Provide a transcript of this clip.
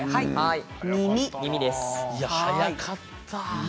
早かった。